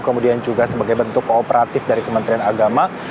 kemudian juga sebagai bentuk kooperatif dari kementerian agama